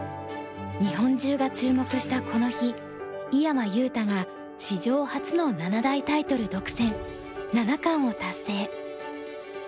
日本中が注目したこの日井山裕太が史上初の七大タイトル独占七冠を達成。